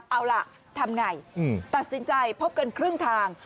เอาล่ะทำไงตัดสินใจพบกันครึ่งทาง